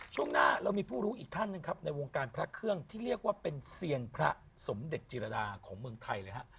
ช่วงหน้าเรามีผู้รู้อีกท่านหนึ่งครับในวงการพระเครื่องที่เรียกว่าเป็นเซียนพระสมเด็จจิรดาของเมืองไทยเลยฮะ